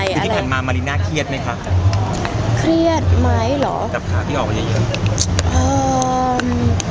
วิธีผ่านมามาริน่าเครียดไหมคะเครียดไหมเหรอกับขาพี่ออกกันเย็นเย็น